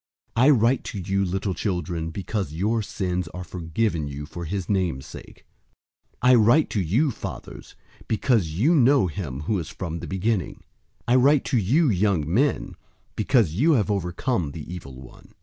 002:012 I write to you, little children, because your sins are forgiven you for his name's sake. 002:013 I write to you, fathers, because you know him who is from the beginning. I write to you, young men, because you have overcome the evil one.